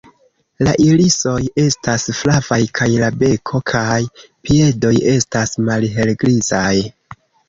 La irisoj estas flavaj kaj la beko kaj piedoj estas malhelgrizaj.